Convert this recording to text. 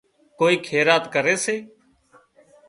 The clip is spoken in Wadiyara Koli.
ڪوئي خيرات ڪري سي